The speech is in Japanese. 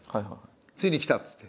「ついにきた」っつって。